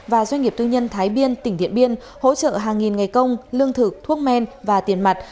và doanh nghiệp tư nhân thái biên tỉnh điện biên hỗ trợ hàng nghìn ngày công lương thực thuốc men và tiền mặt